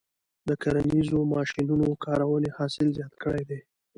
د کرنیزو ماشینونو کارونې حاصل زیات کړی دی.